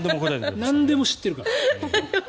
なんでも知ってるから。